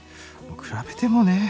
比べてもねえ